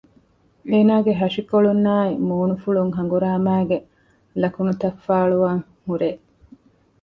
އޭނާގެ ހަށިކޮޅުންނާއި މޫނުފުޅުން ހަނގުރާމައިގެ ލަކުނުތައް ފާޅުވާން ހުރޭ